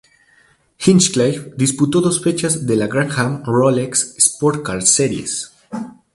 Hinchcliffe disputó dos fechas de la Grand-Am Rolex Sports Car Series.